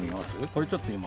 これちょっと今。